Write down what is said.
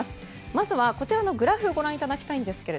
まずはこちらのグラフご覧いただきたいんですが